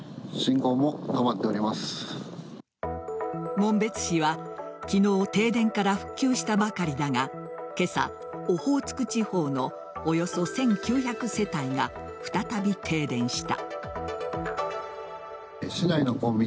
紋別市は昨日停電から復旧したばかりだが今朝、オホーツク地方のおよそ１９００世帯が再び停電した。